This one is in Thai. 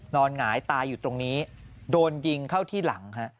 หงายตายอยู่ตรงนี้โดนยิงเข้าที่หลังฮะ